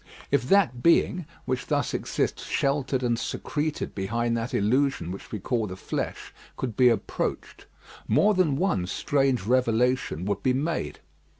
If that being, which thus exists sheltered and secreted behind that illusion which we call the flesh, could be approached, more than one strange revelation would be made.